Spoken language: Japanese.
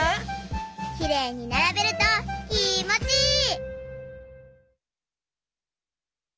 きれいにならべるときもちいい！